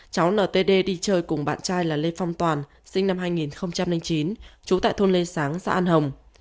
cháu ltd đi chơi cùng bạn trai là lê phong toàn sinh năm hai nghìn chín trú tại thôn lê sáng xã an hồng